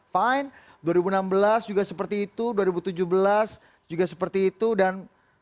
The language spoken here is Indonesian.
fine dua ribu enam belas juga seperti itu dua ribu tujuh belas juga seperti itu dan